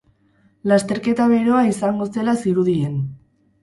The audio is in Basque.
Lasterketa beroa izango zela zirudien.